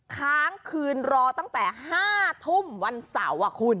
ค้างคืนรอตั้งแต่๕ทุ่มวันเสาร์คุณ